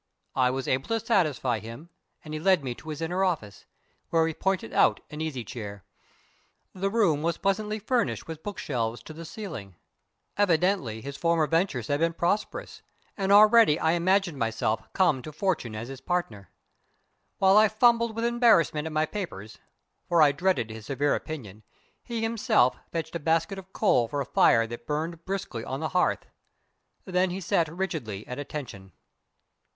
I was able to satisfy him and he led me to his inner office, where he pointed out an easy chair. The room was pleasantly furnished with bookshelves to the ceiling. Evidently his former ventures had been prosperous, and already I imagined myself come to fortune as his partner. While I fumbled with embarrassment at my papers for I dreaded his severe opinion he himself fetched a basket of coal for a fire that burned briskly on the hearth. Then he sat rigidly at attention.